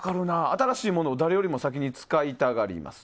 新しいものを誰よりも先に使いたがります。